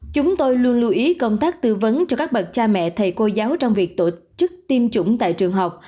chúng tôi luôn lưu ý công tác tư vấn cho các bậc cha mẹ thầy cô giáo trong việc tổ chức tiêm chủng tại trường học